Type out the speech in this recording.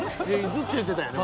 ずっと言ってたやん。